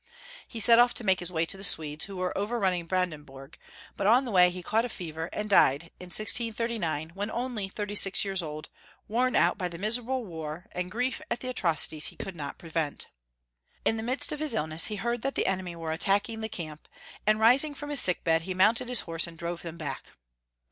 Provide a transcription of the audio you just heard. He set off to make his way to the Swedes, who were overrunning Brandenburg, but on the way he caught a fever, and died in 1639, when only thirty six years old, worn out by the miserable war, and grief at the atrocities he could not prevent. In the midst of his illness he heard that the enemy were attacking the camp, and rising from his sick bed, he mounted his horse and drove them back.